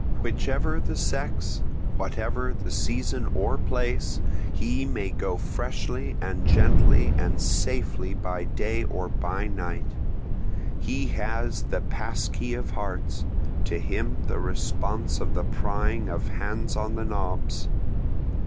Whichever the sex, whatever the season or place, he may go freshly and gently and safely by day or by night, He has the pass key of hearts, to him the response of the prying of hands on the knobs.